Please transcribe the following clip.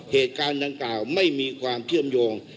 เหตุการณ์ดังกล่าวไม่มีความเชื่อมโยง